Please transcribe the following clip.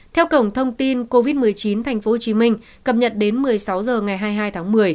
theo cổng thông tin covid một mươi chín tp hcm cập nhật đến một mươi sáu h ngày hai mươi hai tháng một mươi